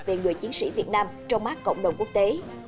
về người chiến sĩ việt nam trong mắt cộng đồng quốc tế